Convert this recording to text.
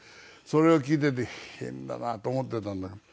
それを聴いてて変だなと思ってたんだけど。